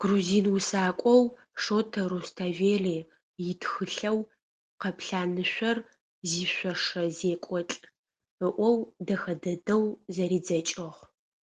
Грузин усакӏоу Шота Руставели итхылъэу «Къэплъанышъор зишъошэ зекӏолӏ» ыӏоу дэхэ дэдэу зэридзэкӏыгъ.